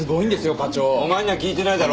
課長お前には聞いてないだろ